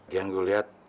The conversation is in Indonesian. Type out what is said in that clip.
gian gua lihat